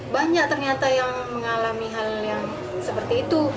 banyak ternyata yang mengalami hal yang seperti itu